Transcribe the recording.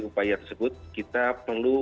upaya tersebut kita perlu